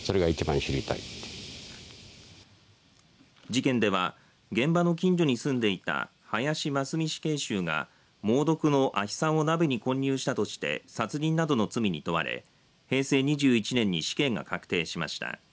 事件では現場の近所に住んでいた林真須美死刑囚が猛毒の亜ヒ酸を鍋に混入したとして殺人などの罪に問われ平成２１年に死刑が確定しました。